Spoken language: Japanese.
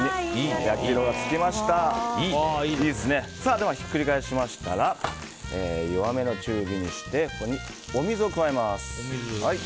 ではひっくり返しましたら弱めの中火にしてここにお水を加えます。